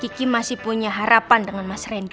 kiki masih punya harapan dengan mas randy